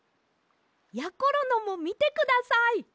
やころのもみてください！